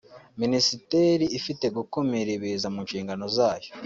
Minisiteri ifite gukumira ibiza mu nshingano zayo